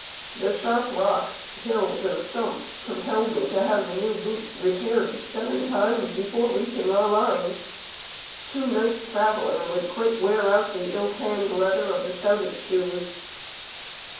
The sharp rocks, hills, and stumps, compelled me to have the new boots repaired seven times before reaching our lines. Two nights' traveling would quite wear out the ill tanned leather of the stoutest soles.